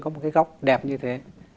có một cái góc đẹp như thế